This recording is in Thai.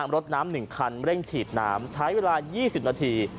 รถน้ำ๑คันเร่งฉีดน้ำใช้เวลา๒๐นาที